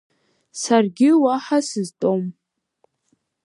Саргьы уаҳа сызтәом.